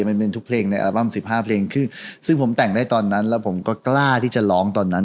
มันเป็นทุกเพลงในอัลบั้มสิบห้าเพลงซึ่งผมแต่งได้ตอนนั้นแล้วผมก็กล้าที่จะร้องตอนนั้น